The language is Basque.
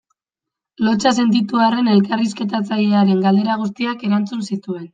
Lotsa sentitu arren elkarrizketatzailearen galdera guztiak erantzun zituen.